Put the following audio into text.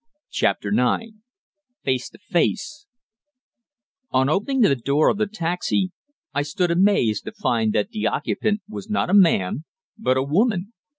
CHAPTER NINE FACE TO FACE On opening the door of the taxi I stood amazed to find that the occupant was not a man but a woman.